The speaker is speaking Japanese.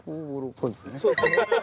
そうですね。